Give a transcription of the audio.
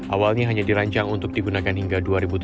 awalnya hanya dirancang untuk digunakan hingga dua ribu tujuh belas